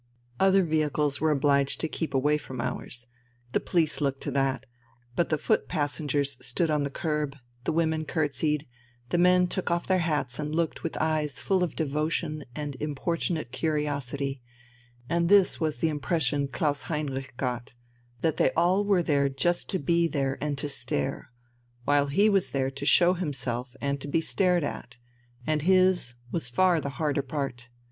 Other vehicles were obliged to keep away from ours; the police looked to that. But the foot passengers stood on the kerb, the women curtseyed, the men took off their hats and looked with eyes full of devotion and importunate curiosity, and this was the impression Klaus Heinrich got: that they all were there just to be there and to stare, while he was there to show himself and to be stared at; and his was far the harder part.